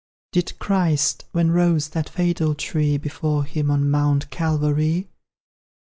Did Christ, when rose the fatal tree Before him, on Mount Calvary?